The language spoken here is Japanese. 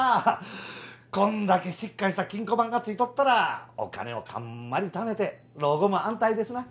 こんだけしっかりした金庫番がついとったらお金をたんまりためて老後も安泰ですな。